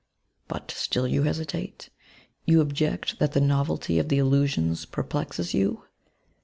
" But you still hesitate ; you object that the novelty of the illusions perplexes you.